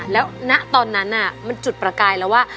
แล้วณตอนนั้นมันจุดประกายแล้วว่า